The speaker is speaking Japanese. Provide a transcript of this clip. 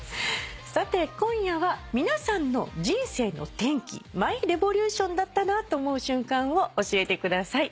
さて今夜は皆さんの「人生の転機−ＭｙＲｅｖｏｌｕｔｉｏｎ−」だったなと思う瞬間を教えてください。